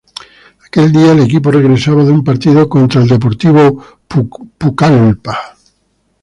Aquel día, el equipo regresaba de un partido contra el Deportivo Pucallpa.